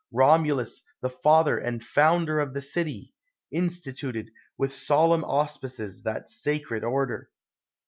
Romulus, the father and founder of the city, instituted, 250 OTHO with solemn auspices, that sacred order.